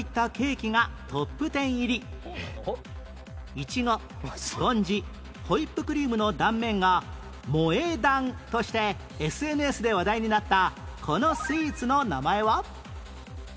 イチゴスポンジホイップクリームの断面が「萌え断」として ＳＮＳ で話題になったこのスイーツの名前は？